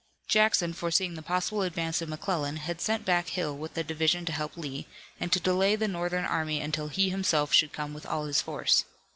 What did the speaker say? Jackson, foreseeing the possible advance of McClellan, had sent back Hill with a division to help Lee, and to delay the Northern army until he himself should come with all his force.